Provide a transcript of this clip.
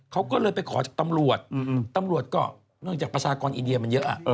เขาก็เลยไปขอจากตำรวจตำรวจก็เนื่องจากประชากรอินเดียมันเยอะ